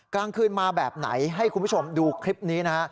กลางคืนมาแบบไหนให้คุณผู้ชมดูคลิปนี้นะฮะ